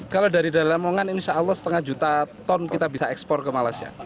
kalau dari lamongan insya allah setengah juta ton kita bisa ekspor ke malaysia